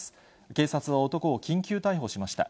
警察は男を緊急逮捕しました。